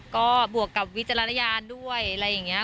ก็บวกกับวิจารณญาณด้วยอะไรอย่างนี้